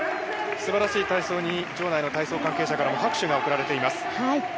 すばらしい体操に、場内の体操関係者からも拍手が送られています。